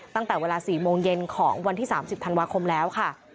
ตั้งแต่เวลา๔โมงเย็นของวันที่๓๐ธันวาคมแล้วค่ะ